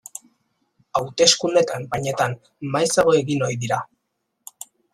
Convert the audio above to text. Hauteskunde kanpainetan maizago egin ohi dira.